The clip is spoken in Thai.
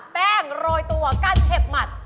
แป้งโรยตัวกั้นเผ็ดหมัด